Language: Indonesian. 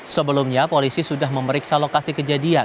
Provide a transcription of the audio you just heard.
sebelumnya polisi sudah memeriksa lokasi kejadian